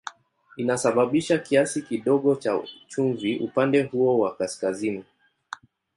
Inasababisha kiasi kidogo cha chumvi upande huo wa kaskazini.